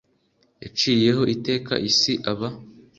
yaciriyeho iteka isi aba